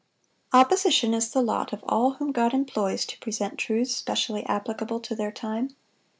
Opposition is the lot of all whom God employs to present truths specially applicable to their time.